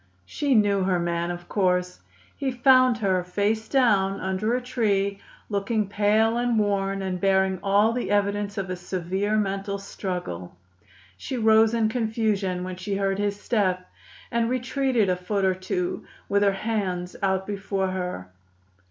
She knew her man, of course. He found her, face down, under a tree, looking pale and worn and bearing all the evidence of a severe mental struggle. She rose in confusion when she heard his step, and retreated a foot or two, with her hands out before her.